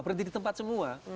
berhenti di tempat semua